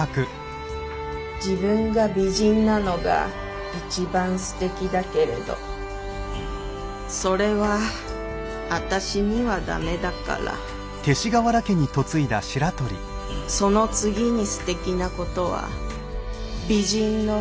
「自分が美人なのが一番すてきだけれどそれは私には駄目だからその次にすてきな事は美人の腹心の友を持つ事だわ」。